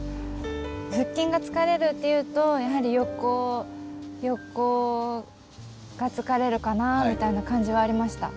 腹筋が疲れるっていうとやはり横が疲れるかなあみたいな感じはありました。